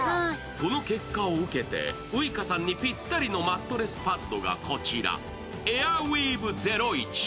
この結果を受けてウイカさんにぴったりなマットレスパットがこちら、エアウィーヴ０１。